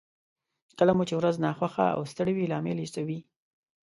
کله مو چې ورځ ناخوښه او ستړې وي لامل يې څه وي؟